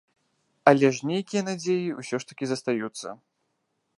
Але ж нейкія надзеі ўсё ж такі застаюцца.